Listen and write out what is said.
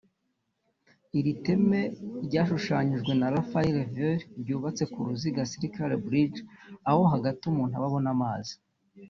Iri teme ryashushanyijwe na Rafael Viñoly ryubatse nk’uruziga (circular brigde) aho hagati umuntu aba abona amazi